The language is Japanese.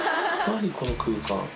何この空間。